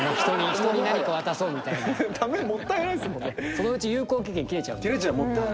そのうち有効期限切れちゃうんで。